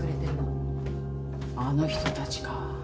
あの人たちか。